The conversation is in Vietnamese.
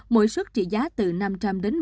mỗi suất trị giá từ năm trăm linh đến